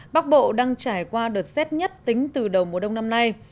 bắc bộ đang trải qua đợt xét nhất tính từ đầu mùa đông năm nay